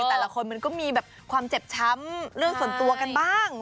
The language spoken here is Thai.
แต่ละคนมันก็มีแบบความเจ็บช้ำเรื่องส่วนตัวกันบ้าง